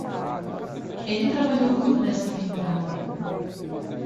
Ele trabalhou duro nesta temporada.